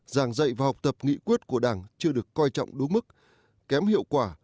giảng dạy và học tập nghị quyết của đảng chưa được coi trọng đúng mức kém hiệu quả